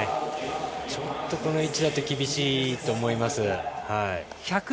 ちょっとこの位置だと厳しいと思います。